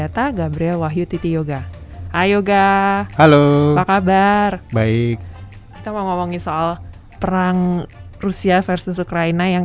tiga tahun dari dua ribu sepuluh sampai dua ribu tiga belas ya